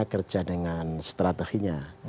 kerja dengan strateginya